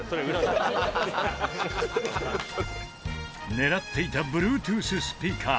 狙っていたＢｌｕｅｔｏｏｔｈスピーカー。